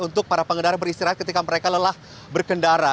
untuk para pengendara beristirahat ketika mereka lelah berkendara